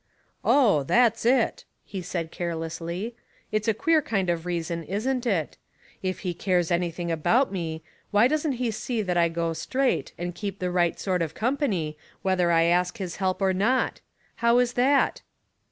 " Oh, that's it," he said, carelessly. " It's a queer kind of reason, isn't it? If He cares any thing about me, why doesn't He see that I go straight, and keep the right sort of company, whether I ask His help or not. How is that?"